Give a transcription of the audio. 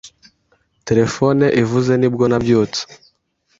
Terefone ivuze ni bwo nabyutse.